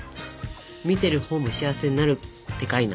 見てるほうも幸せになるってかいな。